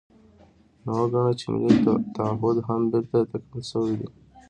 نو وګڼه چې ملي تعهُد هم بېرته تکمیل شوی دی.